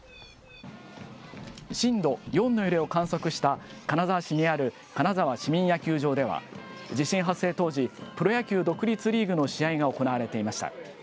震度４の揺れを観測した金沢市にある金沢市民野球場では、地震発生当時、プロ野球独立リーグの試合が行われていました。